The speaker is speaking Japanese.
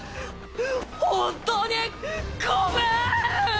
本当にごめん！